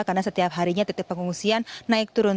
karena setiap harinya titik pengungsian naik turun